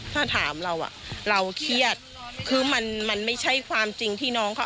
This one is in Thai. ถ้าถามเราอ่ะเราเครียดคือมันมันไม่ใช่ความจริงที่น้องเขา